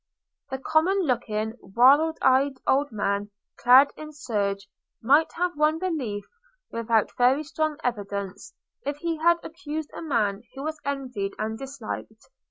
The common looking, wild eyed old man, clad in serge, might have won belief without very strong evidence, if he had accused a man who was envied and disliked.